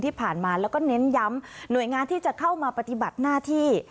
ที่ผ่านมาแล้วก็เน้นย้ำหน่วยงานที่จะเข้ามาปฏิบัติหน้าที่